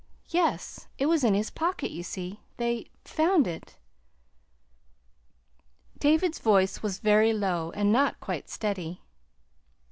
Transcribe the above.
"Yes. It was in his pocket, you see. They found it." David's voice was very low, and not quite steady.